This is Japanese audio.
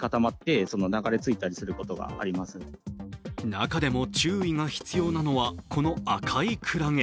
中でも注意が必要なのはこの赤いクラゲ。